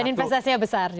dan investasinya besar juga